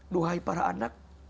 duhai para anak